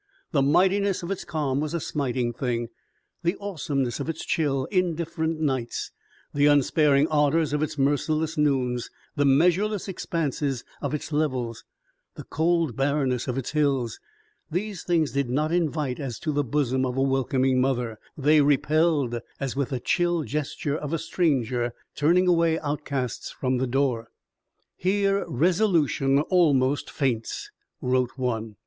The mightiness of its calm was a smiting thing. The awesomeness of its chill, indifferent nights, the unsparing ardors of its merciless noons, the measureless expanses of its levels, the cold barrenness of its hills these things did not invite as to the bosom of a welcoming mother; they repelled, as with the chill gesture of a stranger turning away outcasts from the door. "Here resolution almost faints!" wrote one.